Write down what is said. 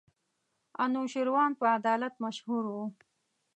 انوشېروان په عدالت مشهور وو.